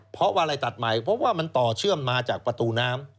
เพราะว่าอะไรตัดใหม่เพราะว่ามันต่อเชื่อมมาจากประตูน้ำ